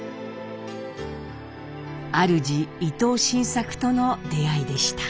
あるじ伊藤新作との出会いでした。